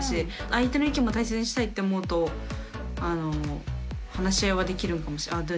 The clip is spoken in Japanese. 相手の意見も大切にしたいって思うと話し合いはできるのかもしれない。